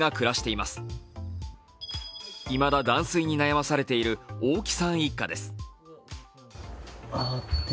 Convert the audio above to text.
いまだ断水に悩まされている大木さん一家です。